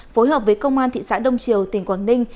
phối hợp với công an thị xã đông triều tỉnh quảng ninh